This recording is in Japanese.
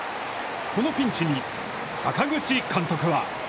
このピンチに、阪口監督は。